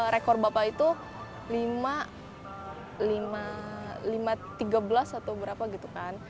rekor bapak itu lima tiga belas atau berapa gitu kan